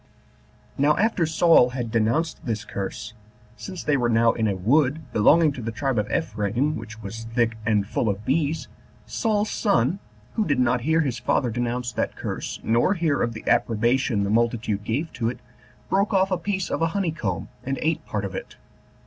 Now after Saul had denounced this curse, since they were now in a wood belonging to the tribe of Ephraim, which was thick and full of bees, Saul's son, who did not hear his father denounce that curse, nor hear of the approbation the multitude gave to it, broke off a piece of a honey comb, and ate part of it.